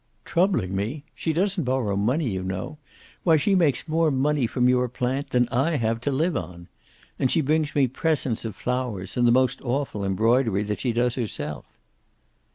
"Troubling me! She doesn't borrow money, you know. Why, she makes more money from your plant than I have to live on! And she brings me presents of flowers and the most awful embroidery, that she does herself."